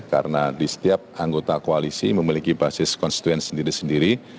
karena di setiap anggota koalisi memiliki basis konstituen sendiri sendiri